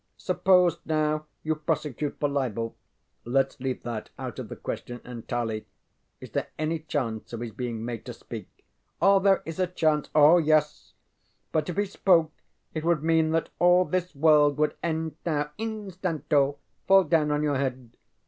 Suppose, now, you prosecute for libel. ŌĆØ ŌĆ£LetŌĆÖs leave that out of the question entirely. Is there any chance of his being made to speak? ŌĆØ ŌĆ£There is a chance. Oah, yes! But if he spoke it would mean that all this world would end now instanto fall down on your head.